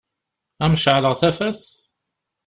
Ad m-ceɛleɣ tafat?